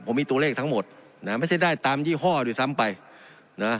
ผมมีตัวเลขทั้งหมดนะไม่ใช่ได้ตามยี่ห้อด้วยซ้ำไปนะ